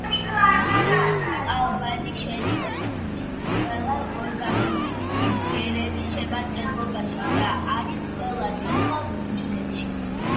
წყალბადი შედის თითქმის ყველა ორგანული ნივთიერების შემადგენლობაში და არის ყველა ცოცხალ უჯრედში.